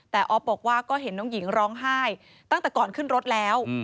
แต่ออฟบอกว่าก็เห็นน้องหญิงร้องไห้ตั้งแต่ก่อนขึ้นรถแล้ว